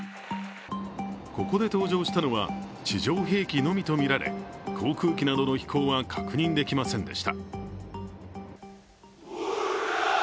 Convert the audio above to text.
ここで登場したのは地上兵器のみとみられ航空機などの飛行は確認できませんでした。